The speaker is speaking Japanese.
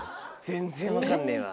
全然分かんねえわ。